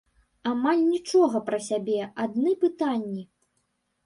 Амаль нічога пра сябе, адны пытанні.